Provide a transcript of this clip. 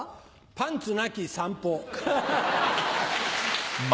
パンツなき散歩。